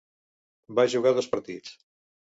Va jugar dos partits.